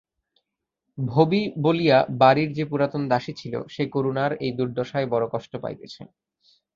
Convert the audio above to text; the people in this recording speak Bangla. ভবি বলিয়া বাড়ির যে পুরাতন দাসী ছিল সে করুণার এই দুর্দশায় বড়ো কষ্ট পাইতেছে।